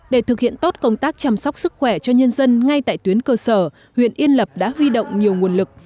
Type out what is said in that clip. để thực hiện tốt công tác chăm sóc sức khỏe cho nhân dân ngay tại tuyến cơ sở huyện yên lập đã huy động nhiều nguồn lực